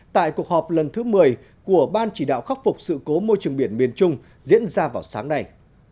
tại cuộc họp lần thứ một mươi của ban chỉ đạo khắc phục sự cố môi trường biển miền trung diễn ra vào sáng nay